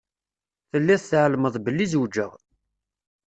Telliḍ tεelmeḍ belli zewǧeɣ.